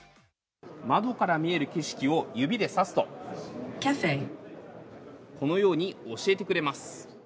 窓から見える景色を指で指すとこのように教えてくれます。